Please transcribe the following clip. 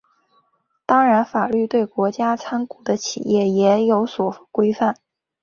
当然法律对国家参股的企业也有所规范。